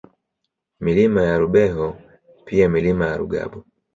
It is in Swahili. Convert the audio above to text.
Milima ya Rubeho pia Milima ya Rugabo